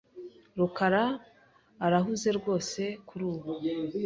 rukaraarahuze rwose kurubu.